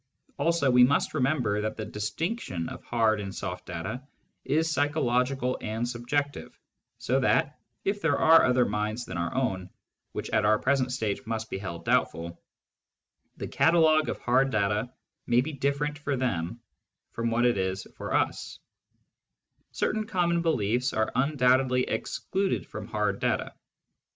Also we must remember that the distinction of hard and soft data is psychological and subjective, so that, if there are other minds than our own — which at our present stage must be held doubtful — the catalogue of hard data may be different for them from what it is for ^s) * Certain common beliefs are undoubtedly excluded from hard data.